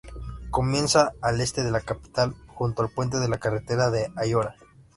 Comienza al este de la capital, junto al puente de la Carretera de Ayora.